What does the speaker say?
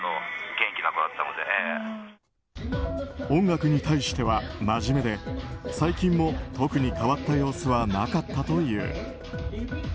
音楽に対してはまじめで最近も特に変わった様子はなかったという。